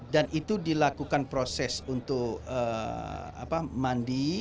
dan itu dilakukan proses untuk mandi